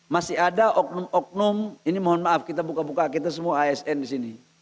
masih ada oknum oknum ini mohon maaf kita buka buka kita semua asn di sini